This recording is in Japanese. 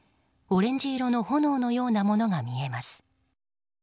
オレンジ色の炎のようなものが見えます。